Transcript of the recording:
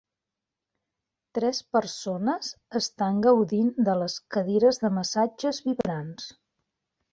Tres persones estan gaudint de les cadires de massatges vibrants.